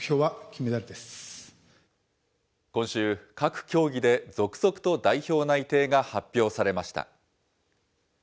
今週、各競技で続々と代表内定が発表されました。